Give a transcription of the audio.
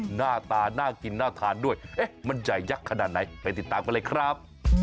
หน้าตาน่ากินน่าทานด้วยมันใหญ่ยักษ์ขนาดไหนไปติดตามกันเลยครับ